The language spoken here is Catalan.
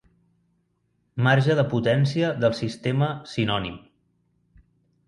Marge de potència del sistema "sinònim".